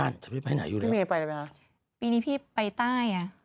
แล้วคุณแม่อยู่บ้านไหน